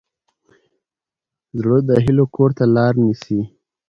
زړه د هیلو کور ته لار نیسي.